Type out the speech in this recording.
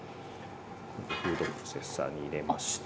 フードプロセッサーに入れまして。